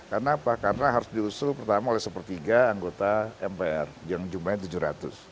karena apa karena harus diusul pertama oleh sepertiga anggota mpr yang jumlahnya tujuh ratus